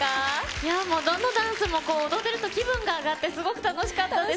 いや、もうどのダンスも踊ってると気分が上がって、すごく楽しかったです。